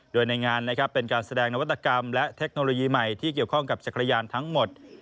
โดยในงานนะครับเป็นการแสดงนวัตกรรมและเทคโนโลยีใหม่ที่เกี่ยวข้องกับจักรยานทั้งหมด